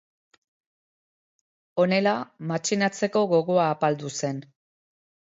Honela, matxinatzeko gogoa apaldu zen.